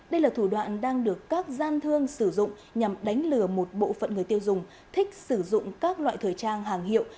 đây là thủ đoạn đang được các gian thương sử dụng nhằm đánh lừa một bộ phận người tiêu dùng thích sử dụng các loại thời trang hàng hiệu